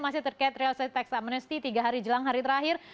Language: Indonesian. masih terkait realitas tax amnesty tiga hari jelang hari terakhir